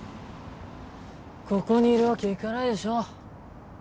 ここにいるわけいかないでしょ